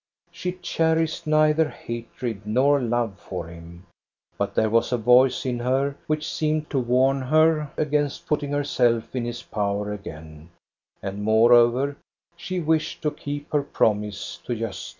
She cherished neither hatred nor love for him. But there was a voice in her which seemed to warn her against putting herself in his power again, and moreover she wished to keep her promise to Gosta.